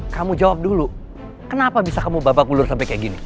kamu jawab dulu kenapa bisa kamu babak bulur sampai kayak gini